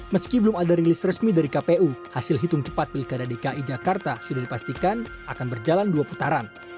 meski belum ada rilis resmi dari kpu hasil hitung cepat pilkada dki jakarta sudah dipastikan akan berjalan dua putaran